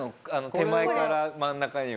手前から真ん中には。